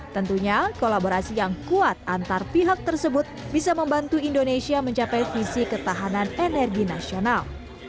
tentunya kolaborasi yang kuat antar pihak tersebut bisa membantu indonesia mencapai visi ketahanan energi nasional